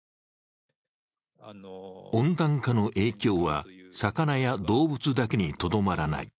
温暖化の影響は魚や動物だけにとどまらない。